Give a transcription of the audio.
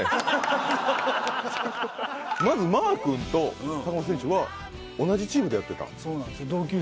まずマー君と坂本選手は同じチームでやってたん？